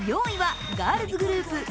４位はガールズグループＫｅｐ